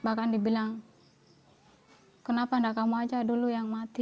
bahkan dibilang kenapa tidak kamu saja yang mati